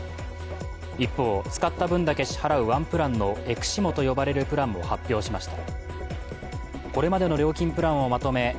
一方、使った分だけ支払うワンプランのｅｘｉｍｏと呼ばれるプランも発表しました。